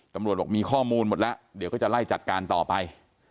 ตำรวจบอกมีข้อมูลหมดแล้วเดี๋ยวก็จะไล่จัดการต่อไป